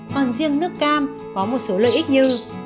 còn riêng nước cam có một số lợi ích như